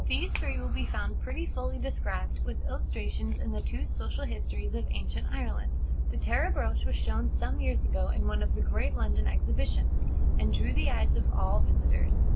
These three will be found pretty fully described, with illustrations, in the two Social Histories of Ancient Ireland. The Tara Brooch was shown some years ago in one of the great London exhibitions, and drew the eyes of all visitors.